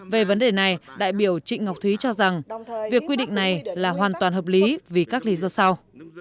về vấn đề này đại biểu trịnh ngọc thúy cho rằng việc quy định này là hoàn toàn hợp lý vì các lý do sau